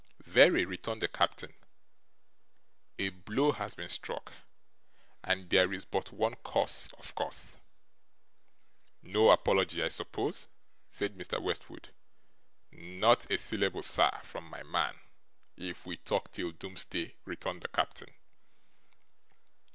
'Very,' returned the captain; 'a blow has been struck, and there is but one course, OF course.' 'No apology, I suppose?' said Mr. Westwood. 'Not a syllable, sir, from my man, if we talk till doomsday,' returned the captain.